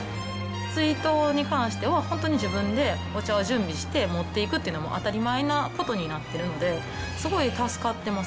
水筒に関しては、本当に自分でお茶を準備して持っていくというのがもう当たり前なことになってるので、すごい助かってます。